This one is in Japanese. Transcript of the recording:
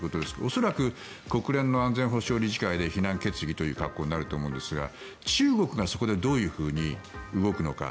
恐らく国連の安全保障理事会で非難決議という格好になると思うんですが中国がそこでどういうふうに動くのか。